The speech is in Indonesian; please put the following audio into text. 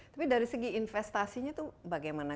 tapi dari segi investasinya itu bagaimana